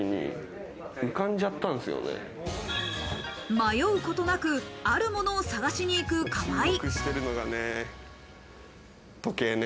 迷うことなく、あるものを探しに行く河合。